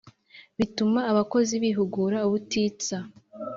bituma abakozi bihugura ubutitsa